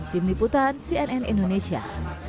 tim liputan cnn indonesia